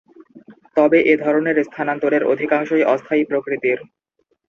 তবে এ ধরনের স্থানান্তরের অধিকাংশই অস্থায়ী প্রকৃতির।